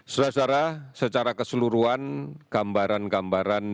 saudara saudara secara keseluruhan gambaran gambaran